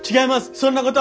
そんなことは。